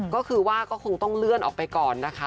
ก็คือว่าก็คงต้องเลื่อนออกไปก่อนนะคะ